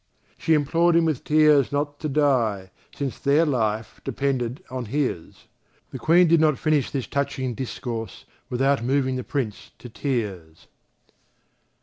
She implored him with tears not to die, since their life depended on his. The Queen did not finish this touching discourse without moving the Prince to tears.